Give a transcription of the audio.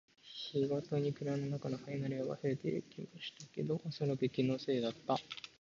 日ごとに車の中の紙の量が増えている気もしたけど、おそらく気のせいだった